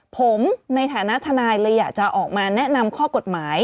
ผมในฐานะทนายเลยอยากจะออกมาแนะนำข้อกฎหมาย